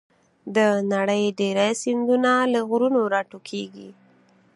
د نړۍ ډېری سیندونه له غرونو راټوکېږي.